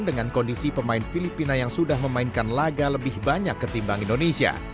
dengan kondisi pemain filipina yang sudah memainkan laga lebih banyak ketimbang indonesia